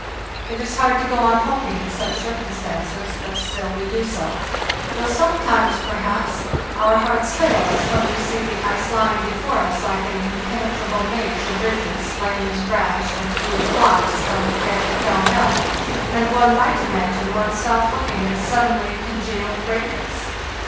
It is hard to BY SLEDGE AND KAYAK i) wn N go on hoping in such circumstances, but still we do so; though sometimes, perhaps, our hearts fail us when we see the ice lying before us like an impenetrable maze of ridges, lanes, brash, and huge blocks thrown together pell mell, and one might imagine one's self looking at A CURDLED USHA. suddenly congealed breakers.